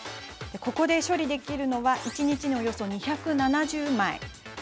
ここで処理できるのは１日に、およそ２７０枚。